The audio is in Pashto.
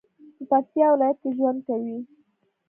په پکتیا ولایت کې ژوند کوي